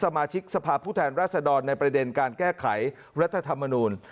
สมาชิกสภาพผู้แทนรัศดรในประเด็นการแก้ไขรัฐธรรมนูล